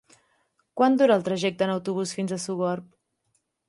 Quant dura el trajecte en autobús fins a Sogorb?